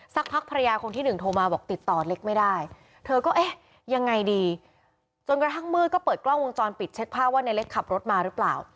สักพักภรรยาคนที่หนึ่งโทรมาบอกติดต่อเล็กไม่ได้เธอก็เอ๊ะยังไงดีจนกระทั่งมืดก็เปิดกล้องวงจรปิดเช็คภาพว่าในเล็กขับรถมาหรือเปล่า